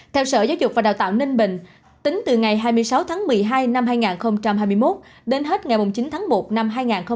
theo sở giáo dục và đào tạo ninh bình tính từ ngày hai mươi sáu tháng một mươi hai năm hai nghìn hai mươi một đến hết ngày chín tháng một năm hai nghìn hai mươi